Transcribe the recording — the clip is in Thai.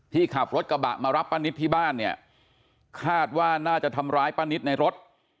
ที่ขับรถกระบะมารับปะนิดที่บ้านคาดว่าน่าจะทำร้ายปะนิดในรถ